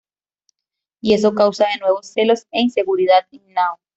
Y eso causa de nuevo celos e inseguridad en Nao.